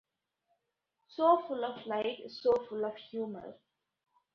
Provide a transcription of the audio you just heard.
So full of light, so full of humor.